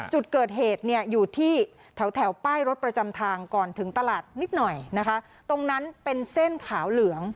จุดเกิดเหตุเนี่ยอยู่ที่แถวป้ายรถประจำทางก่อนถึงตลาดนิดหน่อยนะคะตรงนั้นเป็นเส้นขาวเหลือง